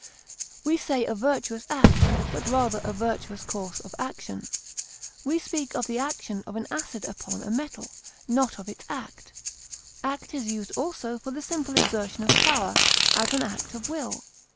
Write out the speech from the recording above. We say a virtuous act, but rather a virtuous course of action. We speak of the action of an acid upon a metal, not of its act. Act is used, also, for the simple exertion of power; as, an act of will.